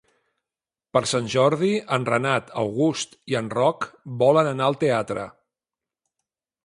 Per Sant Jordi en Renat August i en Roc volen anar al teatre.